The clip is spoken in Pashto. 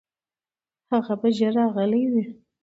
هغه به ژر راغلی وي.